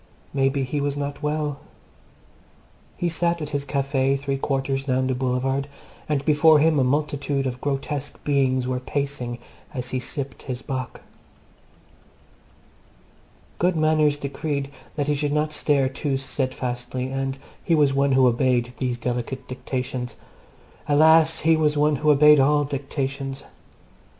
Maybe he was not well. He sat at his Café, three quarters down the Boulevard, and before him a multitude of grotesque beings were pacing as he sipped his bock. Good manners decreed that he should not stare too steadfastly, and he was one who obeyed these delicate dictations. Alas! he was one who obeyed all dictates.